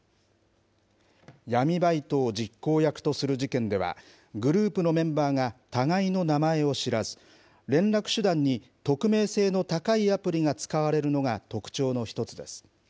闇バイトを実行役とする事件では、グループのメンバーが互いの名前を知らず、連絡手段に匿名性の高いアプリが使われるのが特徴の一つです。